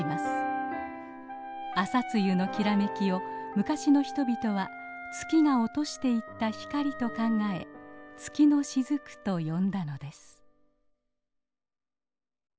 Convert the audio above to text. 朝露のきらめきを昔の人々は月が落としていった光と考え「月の雫」と呼んだのです。